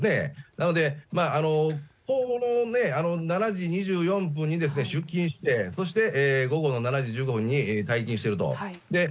なので、の７時２４分に出勤して、そして午後の７時１５分に退勤してると。